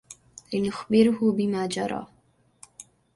لنخبره بما جرى.